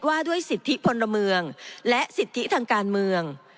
ว่าด้วยสิทธิพลเมืองและสิทธิทางการเมือง